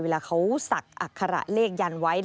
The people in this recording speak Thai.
เวลาเขาสักอัคคาระเลขยานไว้